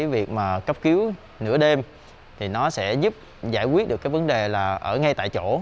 việc cấp cứu nửa đêm sẽ giúp giải quyết vấn đề ở ngay tại chỗ